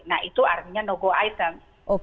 nah itu artinya nogo item